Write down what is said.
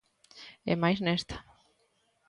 E máis nesta.